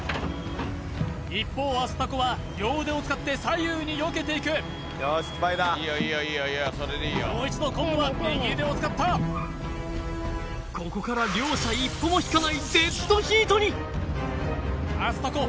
一方アスタコは両腕を使って左右によけていくもう一度今度は右腕を使ったここから両者一歩も引かないデッドヒートにアスタコ